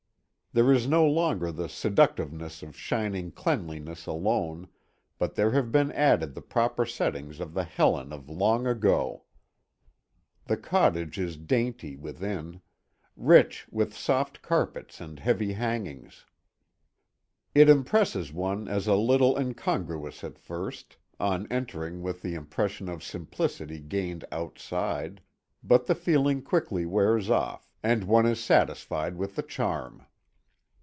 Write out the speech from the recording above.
There is no longer the seductiveness of shining cleanliness alone, but there have been added the proper settings of the Helen of long ago. The cottage is dainty within; rich with soft carpets and heavy hangings. It impresses one as a little incongruous at first, on entering with the impression of simplicity gained outside; but the feeling quickly wears off, and one is satisfied with the charm.